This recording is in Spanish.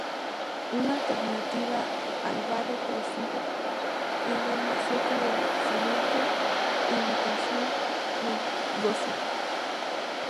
Una alternativa al barro cocido es la maceta de cemento, imitación mendocina.